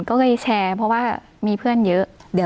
ก็เลยแชร์เพราะว่ามีเพื่อนเยอะ